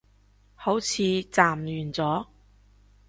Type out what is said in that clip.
好似暫完咗